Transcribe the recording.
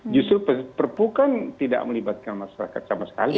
justru perpu kan tidak melibatkan masyarakat sama sekali